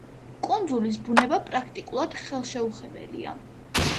კუნძულის ბუნება პრაქტიკულად ხელშეუხებელია.